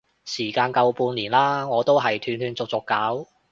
時間夠半年啦，我都係斷斷續續搞